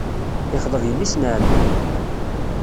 Yexḍeb yelli-s n ɛemmi.